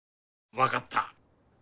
わかった。